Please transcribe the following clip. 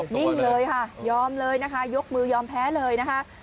นิ่งเลยค่ะยอมเลยนะคะยกมือยอมแพ้เลยนะคะ